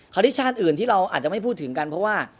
ที่ชาติอื่นที่เราอาจจะไม่พูดถึงกันเพราะว่า